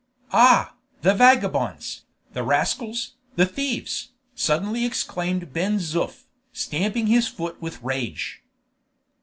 "Ah! the vagabonds! the rascals! the thieves!" suddenly exclaimed Ben Zoof, stamping his foot with rage.